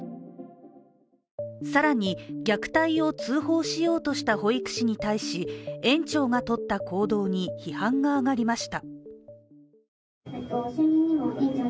更に、虐待を通報しようとした保育士に対し、園長がとった行動に批判が上がりました。